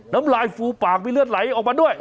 น้ำลายฟูปากมีเลือดไหลออกมาด้วย